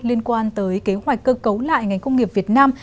liên quan tới kế hoạch cơ cấu lại ngành công nghiệp việt nam